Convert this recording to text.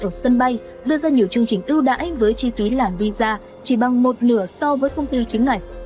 ở sân bay đưa ra nhiều chương trình ưu đãi với chi phí làm visa chỉ bằng một nửa so với công ty chính này